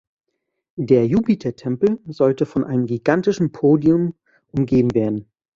Der Jupitertempel sollte von einem gigantischen Podium umgeben werden.